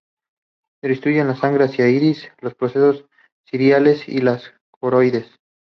Distribuyen la sangre hacia el iris, los procesos ciliares y la coroides.